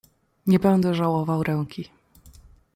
"Nie będę żałował ręki."